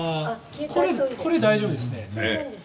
これ、大丈夫ですね。